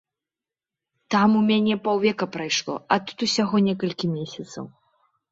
Там у мяне паўвека прайшло, а тут усяго некалькі месяцаў.